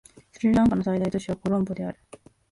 スリランカの最大都市はコロンボである